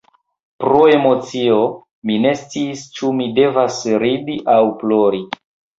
Pro emocio, mi ne sciis ĉu mi devas ridi aŭ plori...